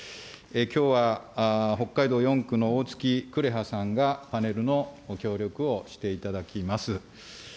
きょうは、北海道４区の大築紅葉さんがパネルのご協力をしていただきます。